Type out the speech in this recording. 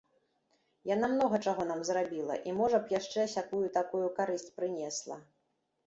Яна многа чаго нам зрабіла і, можа б, яшчэ сякую-такую карысць прынесла.